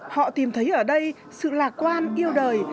họ tìm thấy ở đây sự lạc quan yêu đời